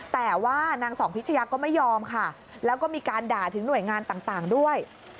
แต่ว่านางสองพิชยาก็ไม่ยอมค่ะแล้วก็มีการด่าถึงหน่วยงานต่างด้วย